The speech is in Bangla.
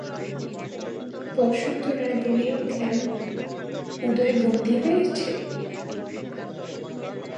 বসন্ত রায় বলিয়া উঠিলেন, উদয় বন্দী হইয়াছে?